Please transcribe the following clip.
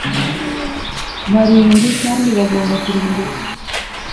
barindwi kandi agomba kurimbuka